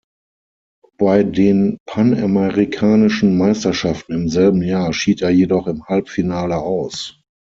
Bei den Panamerikanischen Meisterschaften im selben Jahr schied er jedoch im Halbfinale aus.